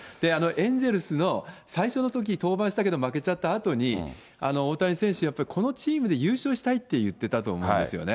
エンゼルスの最初のとき、登板したけど負けちゃったあとに、大谷選手、やっぱりこのチームで優勝したいって言ってたと思うんですよね。